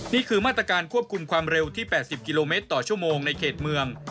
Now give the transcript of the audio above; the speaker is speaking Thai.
นี่คือมาตรการควบคุมความเร็วที่๘๐กิโลเมตรต่อชั่วโมงในเขตเมือง